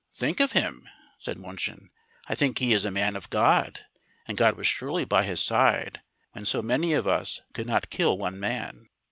"Think of him?" said Munchin; "I think he is a man of God; and God was surely by his side when so many of us could not kill one man."